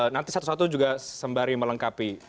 nanti satu satu juga sembari melengkapi